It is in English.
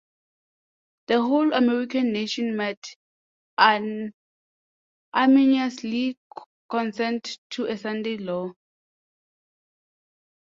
The whole American nation might unanimously consent to a Sunday law.